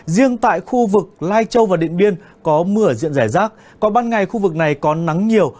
riêng tại khu vực lai châu và điện biên có mưa diện rải rác còn ban ngày khu vực này có nắng nhiều